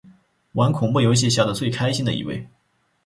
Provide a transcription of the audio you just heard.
玩恐怖游戏笑得最开心的一位